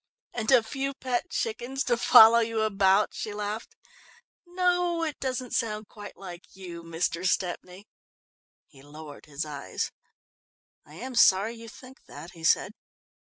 "And a few pet chickens to follow you about?" she laughed. "No, it doesn't sound quite like you, Mr. Stepney." He lowered his eyes. "I am sorry you think that," he said.